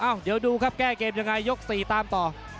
เดี๋ยวดูครับแก้เกมยังไงยก๔ตามต่อ